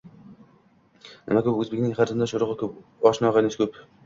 Nima ko‘p, o‘zbekning qarindosh-urug‘iyu oshna-og‘aynisi ko‘p.